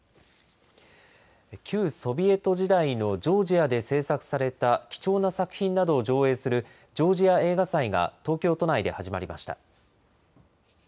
旧ソビエト時代のジョージアで製作された貴重な作品などを上映するジョージア映画祭が、東京都内で始まりました。